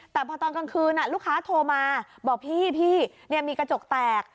แต่พอตอนกลางคืนลูกค้าโทรมาบอกพี่มีกระจกแตก